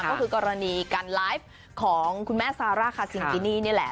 ก็คือกรณีการไลฟ์ของคุณแม่ซาร่าคาซิงกินี่นี่แหละ